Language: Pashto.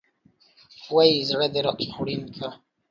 وش ﺯړه د راکي خوړين که